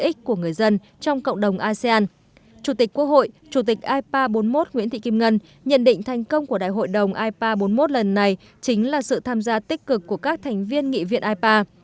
chủ tịch quốc hội chủ tịch ipa bốn mươi một nguyễn thị kim ngân nhận định thành công của đại hội đồng ipa bốn mươi một lần này chính là sự tham gia tích cực của các thành viên nghị viện ipa